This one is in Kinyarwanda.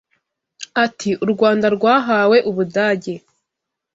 Ati “U Rwanda rwahawe u Budage